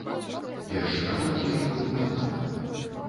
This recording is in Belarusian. Першы радок я вывеў нармальна.